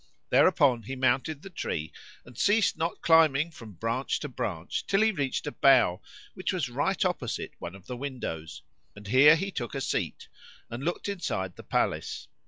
Thereupon he mounted the tree and ceased not climbing from branch to branch, till he reached a bough which was right opposite one of the windows, and here he took seat and looked inside the palace.